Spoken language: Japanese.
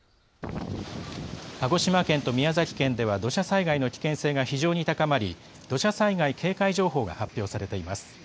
鹿児島県と宮崎県では土砂災害の危険性が非常に高まり、土砂災害警戒情報が発表されています。